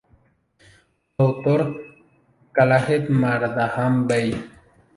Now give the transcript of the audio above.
Su autor es Khaled Mardam-Bey.